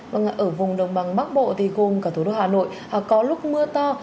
vâng ở vùng đồng bằng bắc bộ thì gồm cả thủ đô hà nội có lúc mưa to